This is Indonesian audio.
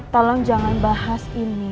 tolong jangan bahas ini